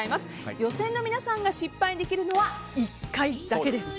予選の皆さんが失敗できるのは１回だけです。